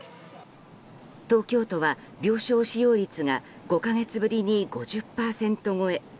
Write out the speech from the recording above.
東京都は病床使用率が５か月ぶりに５０％超え。